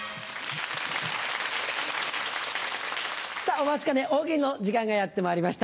お待ちかね「大喜利」の時間がやってまいりました。